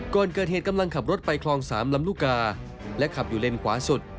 ก่อนเกิดเหตุกำลังขับรถไปคลอง๓ลำลูกกาและขับอยู่เลนขวาสุด